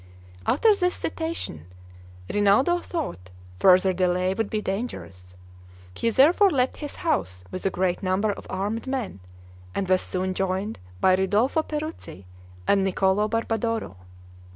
After this citation, Rinaldo thought further delay would be dangerous: he therefore left his house with a great number of armed men, and was soon joined by Ridolfo Peruzzi and Niccolo Barbadoro.